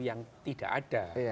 yang tidak ada